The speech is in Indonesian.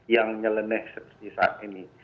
yang nyeleneh seperti saat ini